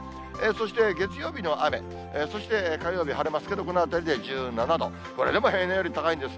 そして月曜日の雨、そして火曜日晴れますけど、このあたりで１７度、これでも平年より高いんです。